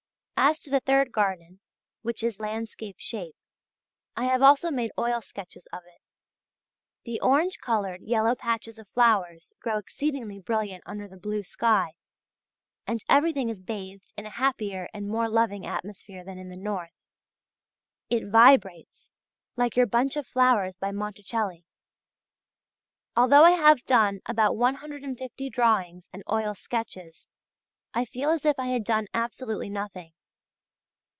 As to the third garden, which is landscape shape, I have also made oil sketches of it. The orange coloured, yellow patches of flowers grow exceedingly brilliant under the blue sky, and everything is bathed in a happier and more loving atmosphere than in the north: it vibrates, like your bunch of flowers by Monticelli. Although I have done about 150 drawings and oil sketches I feel as if I had done absolutely nothing.